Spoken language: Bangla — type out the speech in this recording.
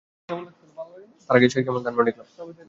তার আগে শেখ জামাল ধানমন্ডি ক্লাব মাঠে বসে খুলে দিলেন স্মৃতির ঝাঁপি।